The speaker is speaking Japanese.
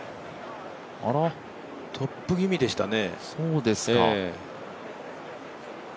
トップ気味でしたね。